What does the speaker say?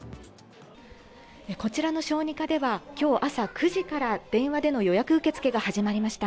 こちらの小児科では、きょう朝９時から、電話での予約受け付けが始まりました。